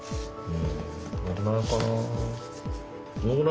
うん。